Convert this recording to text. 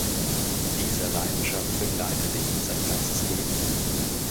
Diese Leidenschaft begleitete ihn sein ganzes Leben.